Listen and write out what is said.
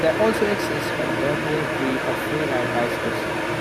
There also exists a burlier breed of freeride bicycles.